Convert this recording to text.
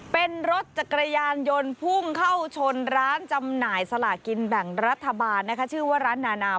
เฮ่ยอะไรนี่ตัวอะไร